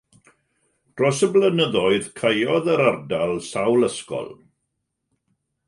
Dros y blynyddoedd, caeodd yr ardal sawl ysgol.